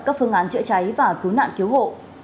các phương án chữa cháy và cứu nạn cứu hộ